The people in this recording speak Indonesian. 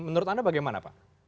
menurut anda bagaimana pak